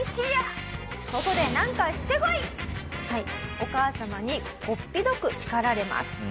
お母様にこっぴどく叱られます。